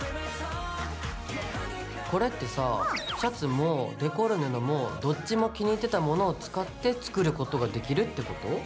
これってさシャツもデコる布もどっちも気に入ってたものを使って作ることができるってこと？